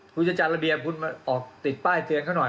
คุณจะจัดระเบียบคุณมาออกติดป้ายเตือนเขาหน่อย